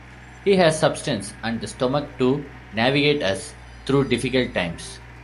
He has substance and the stomach to navigate us through difficult times.